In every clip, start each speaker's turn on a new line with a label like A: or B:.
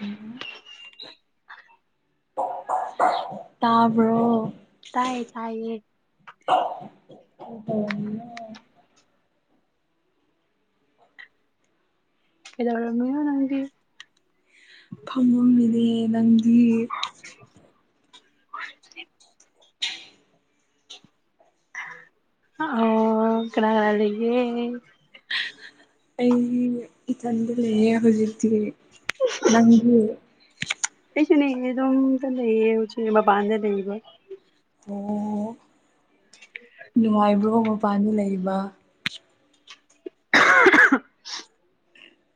A: ꯎꯝ ꯇꯥꯕꯣ
B: ꯇꯥꯏꯌꯦ ꯇꯥꯏꯌꯦ
A: ꯍ
B: ꯀꯗꯔꯝꯃꯤ ꯅꯍꯗꯤ
A: ꯐꯝꯉꯝꯃꯤꯅꯦ ꯅꯪꯗꯤ
B: [unintelligible] ꯑꯣ ꯀꯅꯥ ꯀꯅꯥ ꯂꯩꯜꯀꯦ
A: ꯑꯩ ꯏꯊꯟꯗ ꯂꯩꯌꯦ ꯍꯧꯖꯤꯛꯇꯤ ꯅꯪꯒꯤ
B: ꯑꯩꯁꯨꯅꯦ ꯔꯨꯝꯗ ꯂꯩꯌꯦ ꯍꯧꯖꯤꯛ ꯃꯄꯥꯟꯗ ꯂꯩꯌꯦ
A: ꯑꯣ ꯅꯨꯡꯉꯥꯏꯕ꯭ꯔꯒ ꯃꯄꯥꯟꯗ ꯂꯩꯕ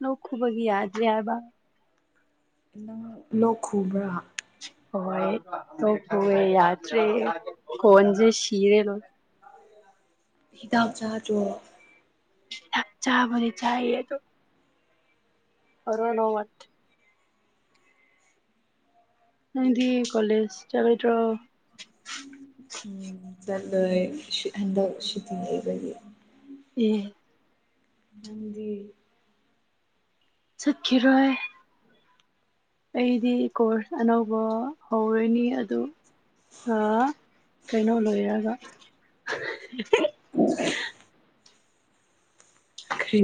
B: ꯂꯣꯛ ꯈꯨꯕꯒꯤ ꯌꯥꯗꯔꯦ ꯍꯥꯢꯕ
A: ꯅꯪ ꯂꯣꯛ ꯈꯨꯕ꯭ꯔꯥ
B: ꯍꯣꯏ ꯈꯨꯌꯦ ꯌꯥꯗꯦ ꯀꯣꯟꯖꯦ ꯁꯤꯔꯦ ꯂꯣ
A: ꯍꯤꯗꯥꯛ ꯆꯥꯗꯔꯣ
B: ꯊꯥꯛ ꯆꯥꯕ ꯆꯥꯏ ꯑꯗꯣ ꯑꯔꯅꯣ ꯋꯥꯠ [inaudible] ꯅꯪꯗꯤ ꯀꯂꯦꯖ ꯆꯠꯇ꯭ꯔꯣ
A: ꯎꯝ ꯆꯠꯂꯣꯢ ꯍꯟꯗꯛ ꯁꯨꯇꯤ ꯂꯩꯕꯒꯤ
B: ꯑꯝ
A: ꯑ [inaudible]
B: ꯆꯠꯈꯤꯔꯣꯏ ꯑꯩꯗꯤ ꯀꯣꯔꯁ ꯑꯅꯧꯕ ꯍꯧꯔꯣꯏꯅꯤ ꯑꯗꯨ ꯑ ꯀꯩꯅꯣ ꯂꯣꯏꯔꯒ
A: [inaudible] ꯀꯔꯤ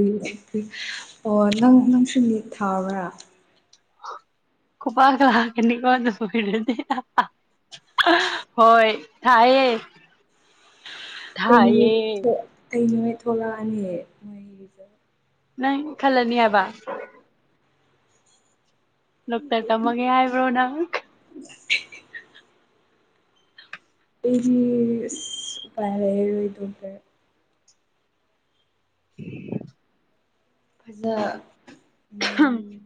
A: ꯑꯣ ꯅꯪ ꯅꯪꯁꯨ ꯅꯤꯠ ꯊꯥꯕ꯭ꯔꯥ
B: ꯄꯨꯕꯥꯛ ꯂꯥꯛꯒꯅꯤꯒꯣ ꯅꯣꯢ ꯑꯅꯤ ꯍꯣꯏ ꯊꯥꯢꯌꯦ
A: ꯀꯩꯅ ꯑꯩꯅ ꯊꯣꯛꯂꯥꯅꯤ ꯃꯣꯏ
B: ꯅꯪ ꯈꯜꯂꯅꯤ ꯍꯥꯏꯕ ꯗꯣꯛꯇꯔ ꯇꯝꯃꯒꯦ ꯍꯥꯏꯕ꯭ꯔꯣ ꯅꯪ
A: [inaudible] ꯑꯩꯒꯤ ꯎꯄꯥꯥꯏ ꯂꯩꯔꯣꯢꯗ
B: ꯎꯝ
A: ꯐꯖ [inaudible]
B: ꯍꯨꯝ
A: ꯎꯝ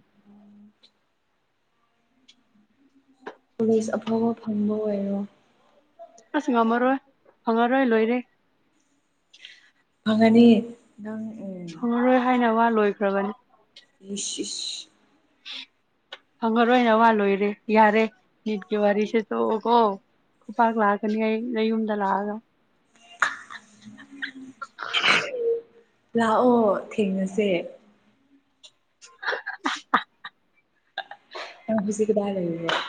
A: ꯀꯣꯂꯦꯖ ꯑꯐꯕ ꯐꯪꯕ ꯑꯣꯏꯔꯣ
B: ꯑꯁ ꯉꯝꯃꯔꯣꯏ ꯐꯪꯉꯔꯣꯏ ꯂꯣꯏꯔꯦ
A: ꯐꯪꯉꯅꯤ ꯅꯪ ꯎꯝ
B: ꯐꯪꯉꯔꯣꯏ ꯍꯥꯏꯅ ꯋꯥ ꯂꯣꯏꯈ꯭ꯔꯕꯅꯤ
A: ꯏꯁ ꯢꯁ
B: ꯐꯪꯉꯔꯣꯢ ꯑꯣꯏꯅ ꯋꯥ ꯂꯣꯏꯔꯦ ꯌꯥꯔꯦ ꯅꯤꯠ ꯀꯦ ꯋꯥꯔꯤꯁꯦ ꯇꯣꯛꯑꯣ ꯀꯣ ꯈꯨꯄꯥꯛ ꯂꯥꯛꯀꯅꯤ ꯑꯩꯩꯅ ꯌꯨꯝꯗ ꯂꯥꯛꯑꯒ
A: [inaudible] ꯂꯥꯛꯑꯣ ꯊꯦꯡꯅꯁꯦ
B: ꯑ [unintelligible]
A: ꯌꯥꯝꯅ ꯈꯨꯁꯤ ꯀꯗꯥ ꯂꯩꯦ [inaudible]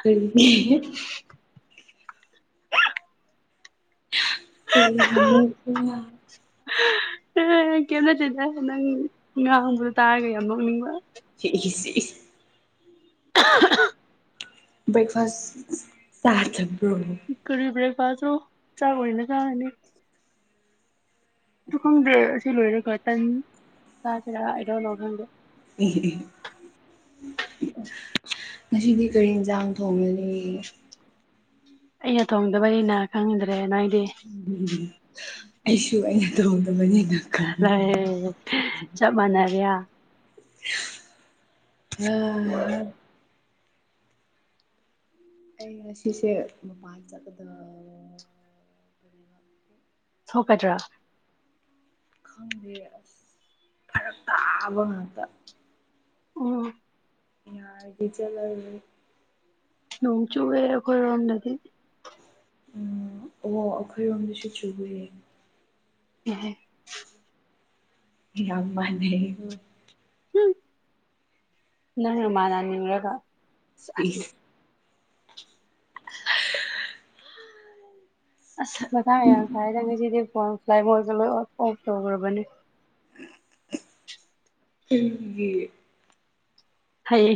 A: ꯀ [inaudible] ꯀ [inaudible]
B: ꯀꯦꯝꯅꯠꯗꯦꯗ ꯅꯪ ꯉꯥꯡꯕꯗꯣ ꯇꯥꯔꯒ ꯌꯥꯝ ꯅꯣꯛꯅꯤꯡꯕ
A: ꯢꯁ ꯕ꯭ꯔꯦꯛꯐꯥꯁ ꯆꯥ ꯊꯥꯛꯕꯔꯣ
B: ꯀꯔꯤ ꯕꯦꯛꯐꯥꯁ ꯅꯣ ꯆꯥꯛ ꯑꯣꯏꯕ ꯀꯥꯟꯗ ꯑꯗꯨ ꯈꯪꯗꯦ ꯑꯁꯤ ꯂꯣꯏꯔꯦ ꯈ ꯇꯟ ꯆꯥꯁꯤꯔꯥ ꯑꯩꯗꯧ ꯂꯣ ꯈꯪꯗꯦ [inaudible]
A: ꯑꯦꯍ [inaudible] ꯉꯁꯤꯗꯤ ꯀꯔꯤ ꯌꯦꯟꯁꯥꯡ ꯊꯣꯡꯉꯅꯤ
B: ꯑꯩꯅ ꯇꯣꯡꯗꯕꯅꯤꯅ ꯈꯪꯗ꯭ꯔꯦ ꯅꯣꯢꯗꯤ
A: ꯑꯩꯁꯨ ꯑꯩꯅ ꯇꯧꯗꯕꯅꯤꯅ
B: ꯆꯞ ꯃꯥꯟꯅꯔꯤꯑ
A: ꯎꯝ ꯑꯩ ꯑꯁꯤꯁꯦ ꯃꯄꯟ ꯆꯠꯄꯗ
B: ꯊꯣꯛꯀꯗ꯭ꯔꯥ
A: ꯈꯪꯗꯦ ꯑꯁ ꯐꯔꯛ ꯇꯥꯕ ꯉꯥꯛꯇ
B: ꯑꯣ
A: ꯌꯥ ꯆ
B: ꯅꯣꯡ ꯆꯨꯋꯦ ꯈꯣꯏꯔꯣꯝꯗꯗꯤ
A: ꯎꯝ ꯑꯣ ꯑꯩꯈꯣꯏꯔꯣꯝꯗꯁꯨ ꯆꯨꯌꯦ
B: ꯎꯝ
A: ꯌꯥꯝ ꯃꯅꯩ
B: ꯅꯪꯅꯃꯅ ꯅꯤꯡꯔꯒ ꯑꯁ
A: ꯏꯁ
B: ꯑꯁ ꯃꯇꯥꯡ ꯌꯥꯝ ꯁꯥꯏꯗ ꯉꯤꯁꯤꯗꯤ ꯐꯣꯟ ꯐ꯭ꯂꯥꯏ ꯃꯣ ꯀ ꯂꯣꯏ ꯑꯣꯐ ꯇꯧꯈ꯭ꯔꯕꯅꯦ
A: ꯑꯩꯒꯤ
B: ꯍꯩꯌꯦ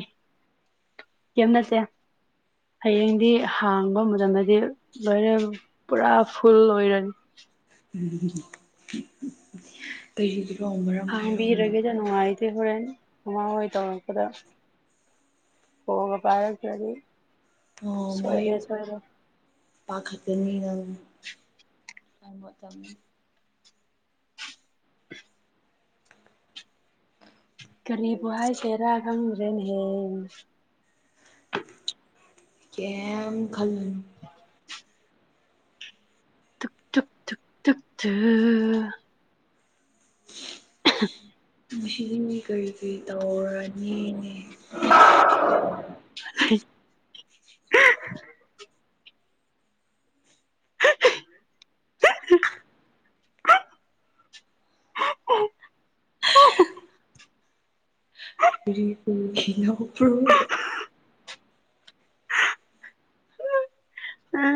B: ꯀꯦꯝ ꯅꯇꯦ ꯍꯌꯦꯡꯗꯤ ꯍꯥꯡꯕ ꯃꯇꯝꯗꯗꯤ ꯂꯣꯏꯔꯦꯟ ꯄꯨꯔꯥ ꯐꯨꯜ ꯑꯣꯏꯔꯅꯤ
A: ꯎꯝ ꯀꯩꯒꯤꯔꯣ ꯃꯔꯝ ꯍꯥꯏꯔꯣ
B: ꯍꯥꯡꯕꯤꯔꯒꯦꯗ ꯅꯨꯡꯉꯥꯏꯇꯦ ꯍꯣꯔꯦꯟ ꯃꯃꯥꯡ ꯍꯣꯏ ꯇꯧꯔꯛꯄꯗ ꯐꯣꯟꯒ ꯄꯥꯏꯔꯛꯇꯗꯤ ꯁꯣꯏꯗꯦ ꯁꯣꯏꯔ
A: ꯄꯥꯈꯛꯀꯅꯤꯅꯪ ꯃꯇꯝ
B: ꯀꯔꯤꯕꯨ ꯍꯥꯏꯁꯦꯔꯥ ꯈꯪꯗ꯭ꯔꯦꯅꯦ ꯍꯦ
A: ꯀꯦꯝ ꯈꯜꯂꯨꯅꯨ
B: ꯇꯨꯛ ꯇꯨꯛ ꯇꯨꯛ ꯇꯨꯛ ꯇꯨꯑ
A: ꯃꯁꯤꯗꯤ ꯃꯤ ꯀꯔꯤ ꯀꯔꯤ ꯇꯧꯔꯒꯦꯅꯦ
B: [inaudible] [inaudible] [inaudible]
A: ꯀꯔꯤ ꯀꯔꯤ
B: ꯑꯥ